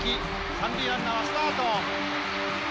三塁ランナーはスタート！